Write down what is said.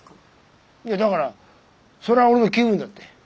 いやだからそれは俺の気分だって。